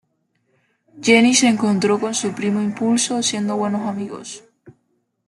Jenni se encontró con su primo Impulso, siendo buenos amigos.